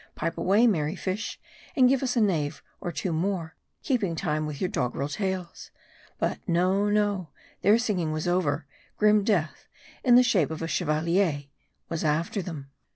Pipe away, merry fish, and give us a stave or two more, keeping time with your doggerel tails. But no, no ! their singing was over. Grim death, in the shape of a Chevalier, was after them.